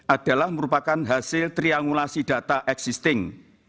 adalah merupakan hasil triangulasi data existing